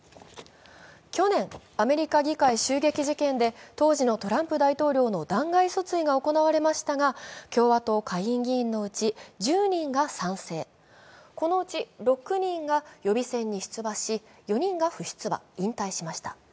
去年、アメリカ議会襲撃事件で当時のトランプ大統領の弾劾訴追が行われましたが、共和党下院議員のうち１０人が賛成、このうち６人が予備選に出馬し、４人が不出馬、引退しました。